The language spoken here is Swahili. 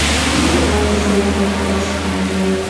Wao hushinda kwa kiwanja siku nzima